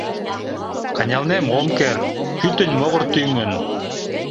Кынелнем — ом керт, пӱтынь могыр тӱҥын.